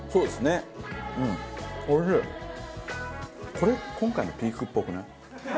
これ今回のピークっぽくない？